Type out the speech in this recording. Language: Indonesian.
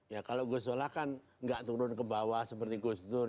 ya kalau gusola kan gak turun ke bawah seperti gus dur